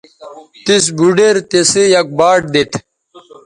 تِس بُھوڈیر تِسئ یک باٹ دیتھ